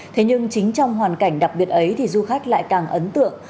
thế nhưng chính trong hoàn cảnh đặc biệt ấy thì du khách lại càng ấn tượng